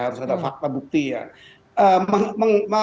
harus ada fakta bukti ya